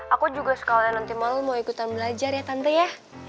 aku juga sekalian nanti malem mau ikutan belajar ya tante ya